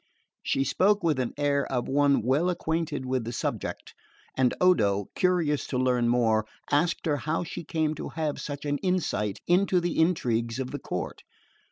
She spoke with the air of one well acquainted with the subject, and Odo, curious to learn more, asked her how she came to have such an insight into the intrigues of the court.